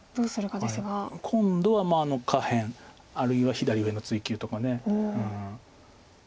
今度は下辺あるいは左上の追及とか。